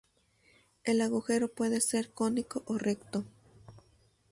El agujero puede ser cónico o recto.